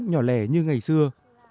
nhỏ lẻ như ngày xưa